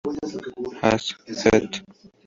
As.. Ed.